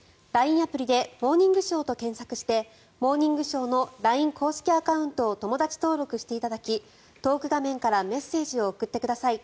アプリで「モーニングショー」と検索をして「モーニングショー」のＬＩＮＥ公式アカウントを友だち登録していただきトーク画面からメッセージを送ってください。